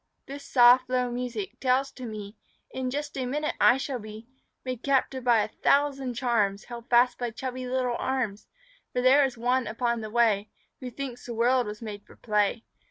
This soft low music tells to me In just a minute I shall be Made captive by a thousand charms, Held fast by chubby little arms, For there is one upon the way Who thinks the world was made for play.